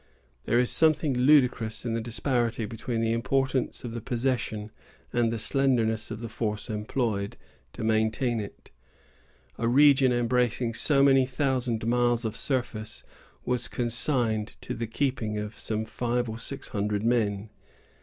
There is something ludicrous in the disparity between the importance of the possession and the slenderness of the force employed to maintain it. A region embracing so many thousand miles of surface was consigned to the keeping of some five or six hundred men.